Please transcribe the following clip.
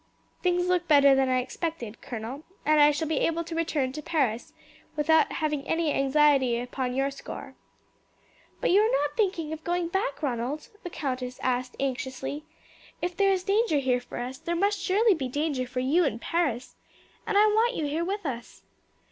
Things look better than I expected, colonel, and I shall be able to return to Paris without having any anxiety upon your score." "But you are not thinking of going back, Ronald?" the countess asked anxiously. "If there is danger here for us, there must be surely danger for you in Paris. And I want you here with us."